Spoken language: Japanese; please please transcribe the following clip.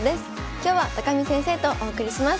今日は見先生とお送りします。